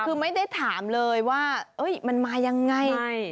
คือไม่ได้ถามเลยว่ามันมายังไง